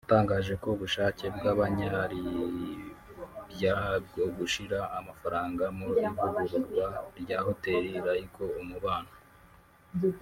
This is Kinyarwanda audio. yatangaje ko ubushake bw’abanyalibya bwo gushyira amafaranga mu ivugururwa rya Hotel Laiko Umubano